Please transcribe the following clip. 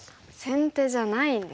先手じゃないんですね。